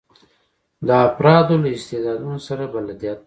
د افرادو له استعدادونو سره بلدیت.